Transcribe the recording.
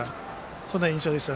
そんな印象でした。